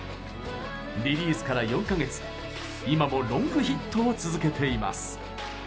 リリースから４か月今もロングヒットを続けています。